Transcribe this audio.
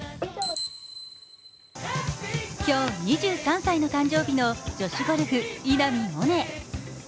今日、２３歳の誕生日の女子ゴルフ・稲見萌寧。